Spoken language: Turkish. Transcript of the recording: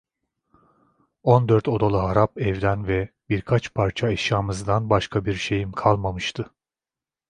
On dört odalı harap evden ve birkaç parça eşyamızdan başka bir şeyim kalmamıştı.